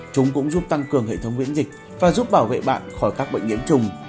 chúng cũng giúp tăng cường hệ thống miễn dịch và giúp bảo vệ bạn khỏi các bệnh nhiễm trùng